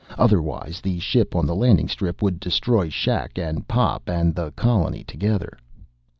Otherwise the ship on the landing strip would destroy shack and Pop and the colony together.